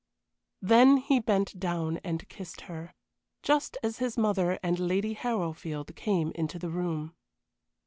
Then he bent down and kissed her, just as his mother and Lady Harrowfield came into the room.